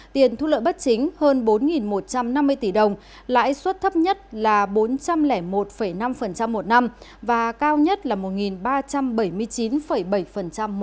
tiền thu lợi bất chính hơn bốn một trăm năm mươi tỷ đồng lãi suất thấp nhất là bốn trăm linh một năm một năm và cao nhất là một ba trăm bảy mươi chín bảy một năm